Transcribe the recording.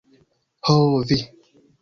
Ho, vi!